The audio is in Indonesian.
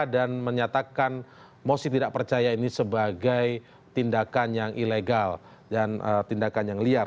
dan menyatakan mosi tidak percaya ini sebagai tindakan yang ilegal dan tindakan yang liar